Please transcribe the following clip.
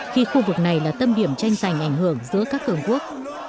khi khu vực này là tâm điểm tranh sành ảnh hưởng giữa các cường quốc